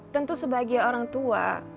tentu sebagai orang tua